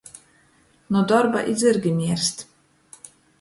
Nu dorba i zyrgi mierst.